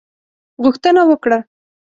غوښتنه وکړه.